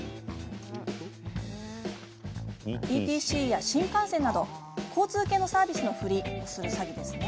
ＥＴＣや新幹線など、交通系のサービスのふりをする詐欺です。